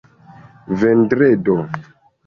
vendredo